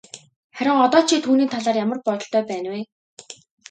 Харин одоо чи түүний талаар ямар бодолтой байна вэ?